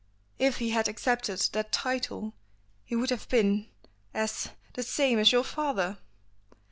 "If he had accepted that title he would have been as the same as your father!"